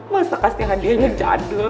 masa kasih hadiahnya jadul